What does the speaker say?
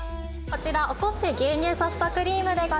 こちらおこっぺ牛乳ソフトクリームでございます。